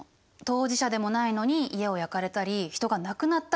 当事者でもないのに家を焼かれたり人が亡くなったりしたの。